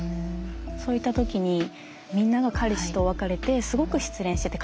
そういった時にみんなが彼氏と別れてすごく失恋してて悲しそう。